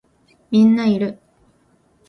みんないる